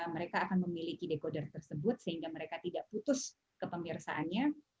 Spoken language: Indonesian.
mereka akan memiliki decoder tersebut sehingga mereka tidak putus ke pemeriksaannya